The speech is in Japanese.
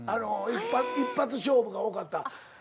一発勝負が多かった。